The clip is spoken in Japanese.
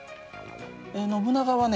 ノブナガはね